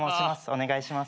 お願いします。